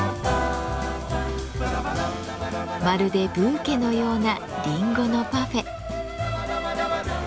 まるでブーケのようなリンゴのパフェ。